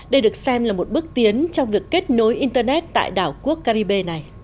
đây được xem là một bước tiến trong việc kết nối internet tại đảo quốc caribe này